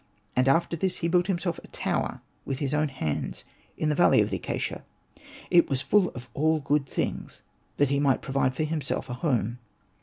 And after this he built himself a tower with his own hands, in the valley of the acacia ; it was full of all good things, that he might provide for himself a home.